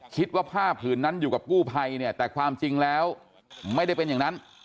ผ้าผืนนั้นอยู่กับกู้ภัยเนี่ยแต่ความจริงแล้วไม่ได้เป็นอย่างนั้น